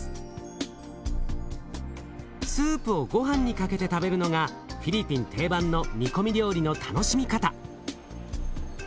スープをごはんにかけて食べるのがフィリピン定番の煮込み料理の楽しみ方。